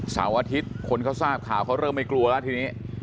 เสาร์อาทิตย์คนเขาทราบข่าวเขาเริ่มไม่กลัวแล้วทีนี้